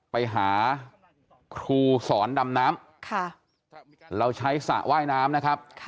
ไปหาครูสอนดำน้ำเราใช้สระว่ายน้ำนะครับ